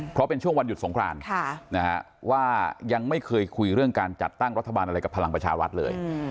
เพราะเป็นช่วงวันหยุดสงครานว่ายังไม่เคยคุยเรื่องการจัดตั้งรัฐบาลอะไรกับพลังประชารัฐเลย